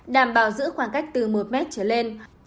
đảm bảo giữ khoảng cách từ một mét trở lên